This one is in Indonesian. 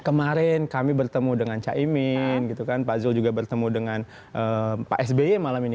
kemarin kami bertemu dengan caimin gitu kan pak zul juga bertemu dengan pak sby malam ini